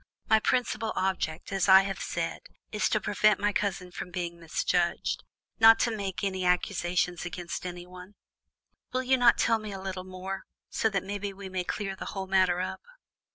My principal object, as I have said, is to prevent my cousin from being misjudged, not to make any accusations against anyone; will you not tell me a little more, so that between us we may clear the whole matter up?"